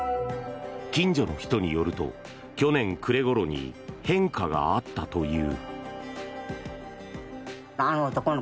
近所の人によると去年暮れごろに変化があったという。